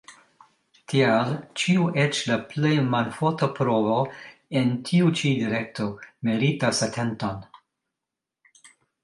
Tial ĉiu eĉ la plej malforta provo en tiu ĉi direkto meritas atenton.